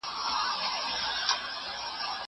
زه به سبا تمرين وکړم!!